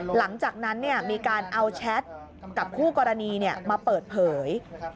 หลังจากนั้นมีการเอาแชทกับคู่กรณีมาเปิดเผย